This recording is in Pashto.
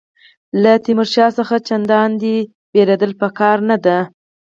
له تیمورشاه څخه چنداني وېره په کار نه ده.